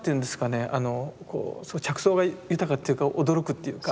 あのこう着想が豊かっていうか驚くっていうか。